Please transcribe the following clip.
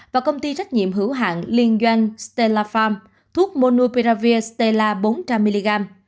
và công ty trách nhiệm hữu hạng liên doanh stella farm thuốc monupiravir stella bốn trăm linh mg